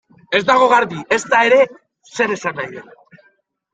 Ez dago garbi, ezta ere, zer esan nahi den.